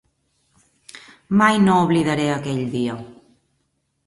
Mai no oblidaré aquell dia.